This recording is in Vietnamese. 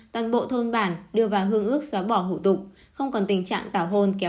toàn bộ thôn bản đưa vào hương ước xóa bỏ hủ tục không còn tình trạng tảo hôn